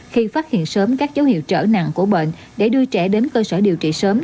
khi phát hiện sớm các dấu hiệu trở nặng của bệnh để đưa trẻ đến cơ sở điều trị sớm